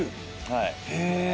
はい。